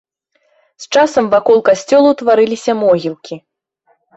З часам вакол касцёла ўтварыліся могілкі.